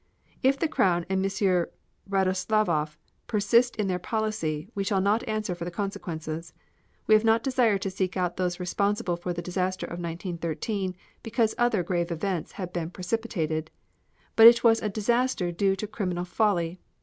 If the Crown and M. Radoslavoff persist in their policy we shall not answer for the consequences. We have not desired to seek out those responsible for the disaster of 1913, because other grave events have been precipitated. But it was a disaster due to criminal folly.